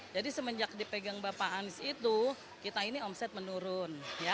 jadi semenjak dipegang bapak anies itu kita ini omset menurun